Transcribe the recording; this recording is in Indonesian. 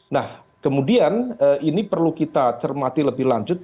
nah kemudian ini perlu kita cermati lebih lanjut